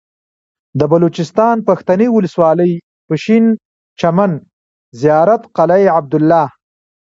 د بلوچستان پښتنې ولسوالۍ پشين چمن زيارت قلعه عبدالله